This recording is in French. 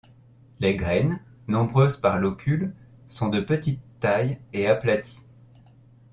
Les graines, nombreuses par locule, sont de petite taille et aplaties.